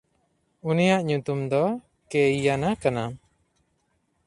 ᱩᱱᱤᱭᱟᱜ ᱧᱩᱛᱩᱢ ᱫᱚ ᱠᱮᱭᱤᱭᱟᱱᱟ ᱠᱟᱱᱟ᱾